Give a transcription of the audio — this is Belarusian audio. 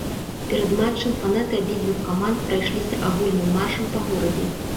Перад матчам фанаты абедзвюх каманд прайшліся агульным маршам па горадзе.